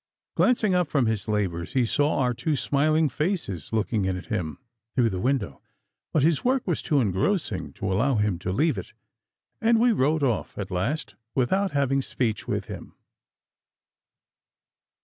Glancing up from his labours he saw our two smiling faces looking in at him through the window, but his work was too engrossing to allow him to leave it, and we rode off at last without having speech with him.